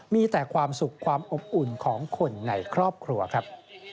มีแต่ความสุขความอบอุ่นของคนในครอบครัวครับ